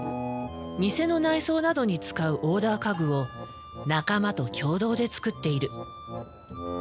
店の内装などに使うオーダー家具を仲間と共同で作っている。